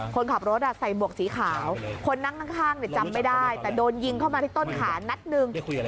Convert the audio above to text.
คนขับรถใส่หมวกสีขาวคนนั่งข้างจำไม่ได้แต่โดนยิงเข้ามาที่ต้นขานัดหนึ่ง